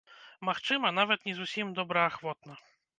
Магчыма, нават не зусім добраахвотна.